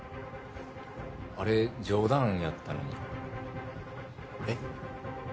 あれ冗談やったのにえっ？